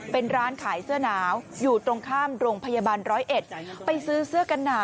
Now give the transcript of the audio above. เป็นร้านขายเสื้อหนาวอยู่ตรงข้ามโรงพยาบาล๑๐๑